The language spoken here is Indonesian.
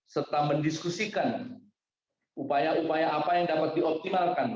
serta mendiskusikan upaya upaya apa yang dapat dioptimalkan